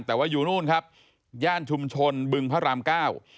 แต่ว่าอยู่นู่นครับย่านชุมชนบึงพระรามเก้า